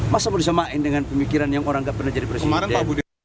masa berusaha main dengan pemikiran yang orang gak pernah jadi presiden